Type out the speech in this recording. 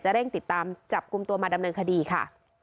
เร่งติดตามจับกลุ่มตัวมาดำเนินคดีค่ะ